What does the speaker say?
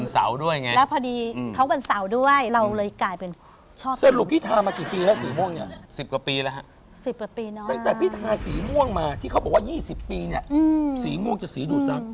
สีม่วงจะสีดูดซับ